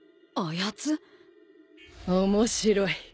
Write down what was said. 面白い。